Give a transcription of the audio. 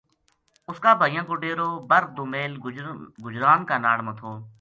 اس کا بھائیاں کو ڈیرو بر دومیل گجران کا ناڑ ما تھو